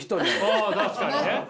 あ確かにね。